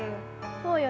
ほうよね。